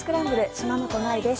島本真衣です。